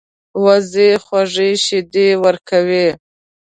وزې خوږې شیدې ورکوي